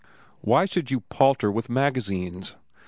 Why should you palter with magazines?